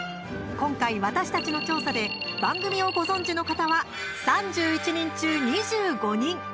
今回、私たちの調査で番組をご存じの方は３１人中２５人。